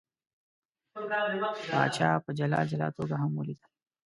پاچا په جلا جلا توګه هم ولیدل.